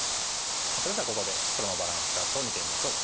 それではここで黒のバランスチャートを見てみましょう。